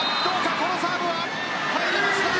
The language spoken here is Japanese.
このサーブは入りました。